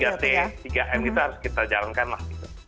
tiga m kita harus kita jalankan lah